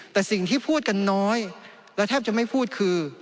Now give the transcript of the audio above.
แต่สิ่งที่พูดกันน้อยและแทบจะไม่พูดคือ